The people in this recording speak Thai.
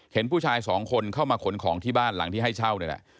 เห็นผู้ชายสองคนเข้ามาขนของที่บ้านหลังที่ให้เช่านี่แหละ